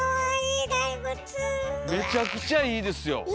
めちゃくちゃいいですよ！